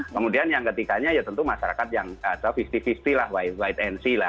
kemudian yang ketiganya ya tentu masyarakat yang ada visi visi lah white and see lah